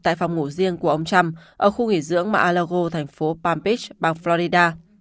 tại phòng ngủ riêng của ông trump ở khu nghỉ dưỡng mạng alago thành phố palm beach bang florida